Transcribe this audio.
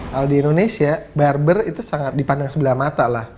kalau di indonesia barber itu sangat dipandang sebelah mata lah